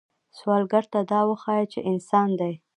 سوالګر ته دا وښایه چې انسان دی